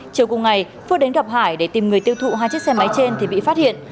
chiều cùng ngày phước đến gặp hải để tìm người tiêu thụ hai chiếc xe máy trên thì bị phát hiện